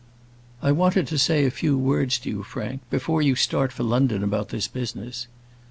"I wanted to say a few words to you, Frank, before you start for London about this business."